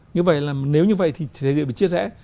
như vậy là nếu như vậy thì thế giới bị chia rẽ